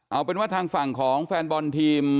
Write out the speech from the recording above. เอาเป็นว่าทางฝั่งของแฟนบอลทีม